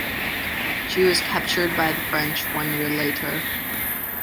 She was captured by the French one year later.